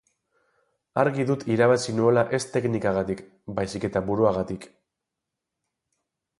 Argi dut irabazi nuela ez teknikagatik baizik eta buruagatik.